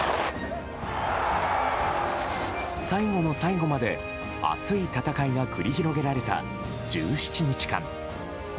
最後の最後まで熱い戦いが繰り広げられた１７日間。